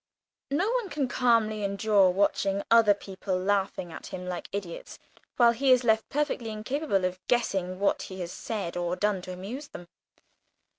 No one can calmly endure watching other people laughing at him like idiots, while he is left perfectly incapable of guessing what he has said or done to amuse them.